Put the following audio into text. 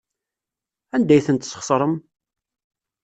Anda ay tent-tesxeṣrem?